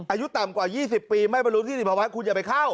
อายุต่ำกว่า๒๐ปีไม่บรรลุที่สินพะวันคุณอย่าไปเข้า